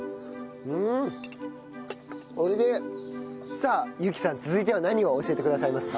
さあ友紀さん続いては何を教えてくださいますか？